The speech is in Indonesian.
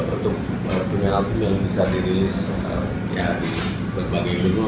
untuk punya album yang bisa dirilis ya di berbagai dunia